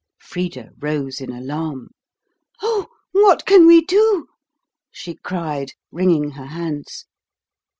Frida rose in alarm. "Oh, what can we do?" she cried, wringing her hands.